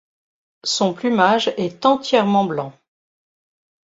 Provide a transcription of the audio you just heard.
Son plumage est entièrement blanc.